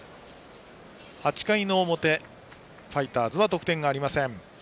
８回の表、ファイターズは得点がありません。